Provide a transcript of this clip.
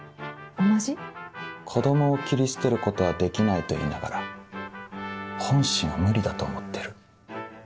子供を切り捨てることはできないと言いながら本心は無理だと思ってる。